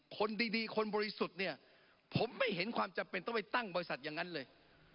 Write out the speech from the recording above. คนดีคนบริสุทธิ์เนี่ยผมไม่เห็นความจำเป็นต้องไปตั้งบริษัทอย่างนั้นเลย